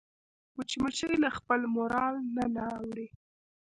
مچمچۍ له خپل مورال نه نه اوړي